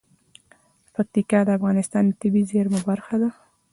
پکتیکا د افغانستان د طبیعي زیرمو برخه ده.